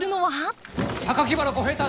原小平太